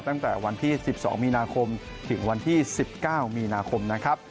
ตั้งแต่วันที่๑๒มีนาคมถึงวันที่๑๙มีนาคมนะครับ